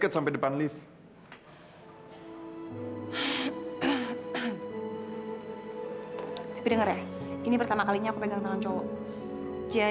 sampai jumpa di video selanjutnya